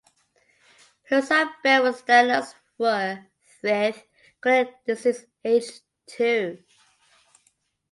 Her son Ben was diagnosed with Coeliac disease aged two.